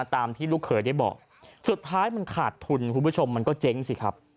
ตามที่ลูกเคยได้บอกสุดท้ายมันขาดทุนคุณผู้ชมมันก็เจ๊งสิครับ